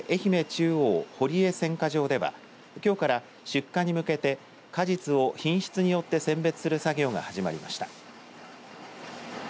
中央堀江選果場ではきょうから出荷に向けて果実を品質によって選別する作業が始まりました。